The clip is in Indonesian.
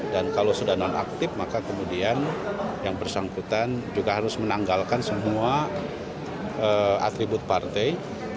dan kalau sudah non aktif maka kemudian yang bersangkutan juga harus menanggalkan semua atribut partai